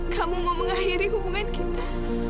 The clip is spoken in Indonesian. kamu mau mengakhiri hubungan kita